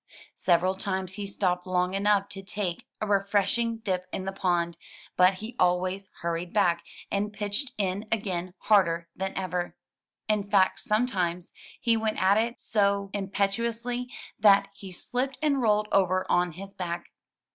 Several times he stopped long enough to take a re freshing dip in the pond; but he always hurried back, and pitched in again harder than ever. In fact, he sometimes went at it so impetuously that he slipped and rolled over on his back.